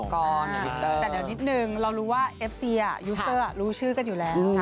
แต่เดี๋ยวนิดนึงเรารู้ว่าเอฟซียูเซอร์รู้ชื่อกันอยู่แล้ว